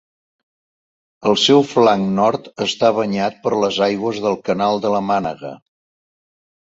El seu flanc nord està banyat per les aigües del Canal de la Mànega.